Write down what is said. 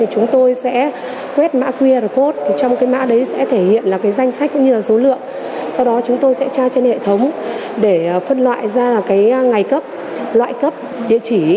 chúng tôi sẽ trao trên hệ thống để phân loại ra cái ngày cấp loại cấp địa chỉ